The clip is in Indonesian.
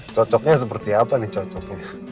cocoknya seperti apa nih cocoknya